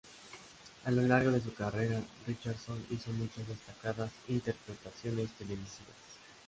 A lo largo de su carrera Richardson hizo muchas destacadas interpretaciones televisivas.